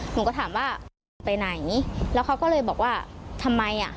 หนูก็ถามว่าไปไหนแล้วเขาก็เลยบอกว่าทำไมอ่ะ